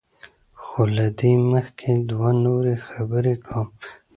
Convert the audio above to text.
خو له دې مخکې دوه نورې خبرې کوم.